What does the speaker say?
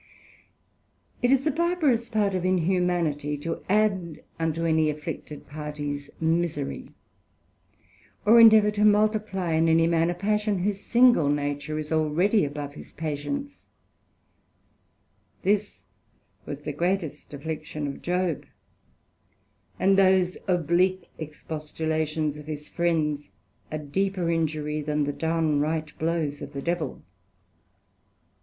It is a barbarous part of inhumanity to add unto any afflicted parties misery, or indeavour to multiply in any man, a passion, whose single nature is already above his patience: this was the greatest affliction of Job; and those oblique expostulations of his Friends, a deeper injury than the down right blows of the Devil.